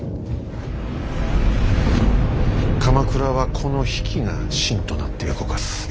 鎌倉はこの比企が芯となって動かす。